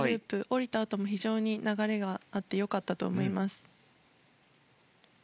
降りたあとも非常に流れがあって良かったと思います。